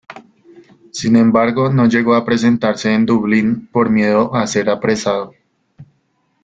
Sin embargo, no llegó a presentarse en Dublín por miedo a ser apresado.